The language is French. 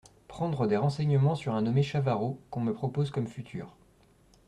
Prendre des renseignements sur un nommé Chavarot, qu’on me propose comme futur.